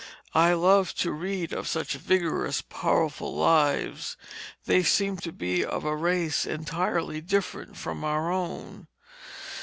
I love to read of such vigorous, powerful lives; they seem to be of a race entirely different from our own.